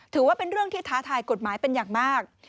ถือว่าเป็นเรื่องที่ท้าทายกฎหมายเป็นอย่างมาก